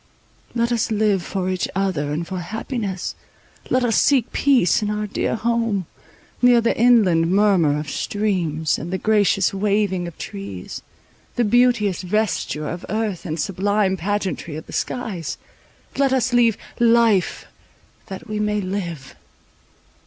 Let us live for each other and for happiness; let us seek peace in our dear home, near the inland murmur of streams, and the gracious waving of trees, the beauteous vesture of earth, and sublime pageantry of the skies. Let us leave "life," that we may live.